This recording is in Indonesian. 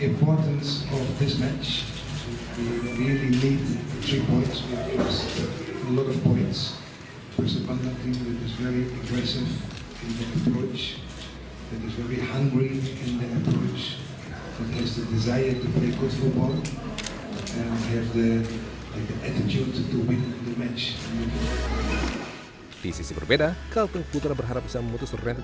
mungkin besok pemain semua dalam kondisi itu